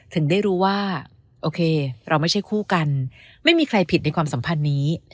ถึงได้รู้ว่าโอเคเราไม่ใช่คู่กันไม่มีใครผิดในความสัมพันธ์นี้